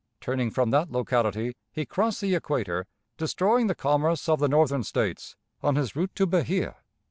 Turning from that locality he crossed the equator, destroying the commerce of the Northern States on his route to Bahia.